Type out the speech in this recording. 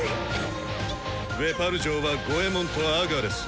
ウェパル嬢はゴエモンとアガレス。